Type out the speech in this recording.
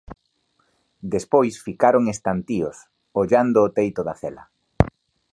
Despois ficaron estantíos, ollando o teito da cela.